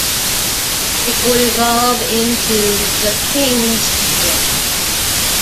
It would evolve into the "King's Book".